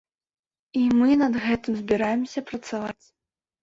І мы над гэтым збіраемся працаваць.